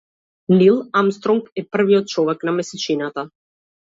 Нил Армстронг е првиот човек на месечината.